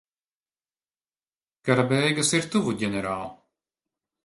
Kara beigas ir tuvu, ģenerāl.